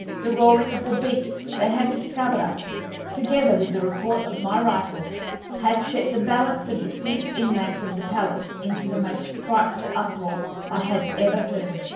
The roaring of the beasts that had discovered us, together with the report of my rifle, had set the balance of the fierce inmates of the palace into the most frightful uproar I have ever heard.